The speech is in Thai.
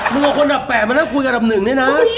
มึงก็คนดับแปดมาแบบคุยกับนึงนี่นะ